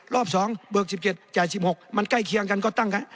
รอบ๒เบิก๑๗จ่าย๑๖มันใกล้เคียงกันก็ตั้งกัน